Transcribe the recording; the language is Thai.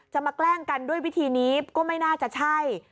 มาแกล้งกันด้วยวิธีนี้ก็ไม่น่าจะใช่